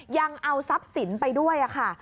ยังเอาทรัพย์สินไปด้วยค่ะ